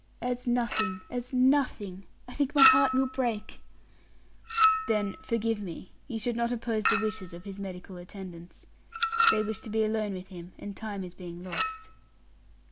"As nothing as nothing. I think my heart will break." "Then forgive me you should not oppose the wishes of his medical attendants. They wish to be alone with him, and time is being lost."